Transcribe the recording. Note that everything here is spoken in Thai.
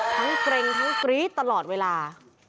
เกร็งทั้งกรี๊ดตลอดเวลา